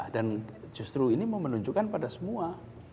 dan justru ini mau menunjukkan pada semua